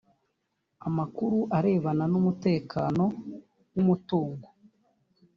amakuru arebana n umutekano w umutungo